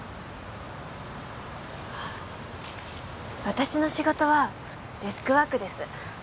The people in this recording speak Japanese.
私の仕事はデスクワークです。